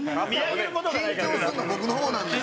緊張するの僕の方なんですよ。